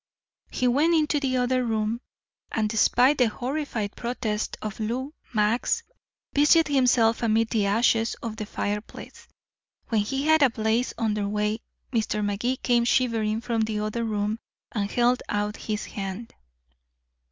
He went into the other room, and despite the horrified protests of Lou Max, busied himself amid the ashes of the fireplace. When he had a blaze under way, Mr. Magee came shivering from the other room and held out his hand.